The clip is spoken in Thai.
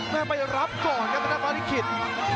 แม่ไปรับก่อนนะฟ้าลิกฤทธิ์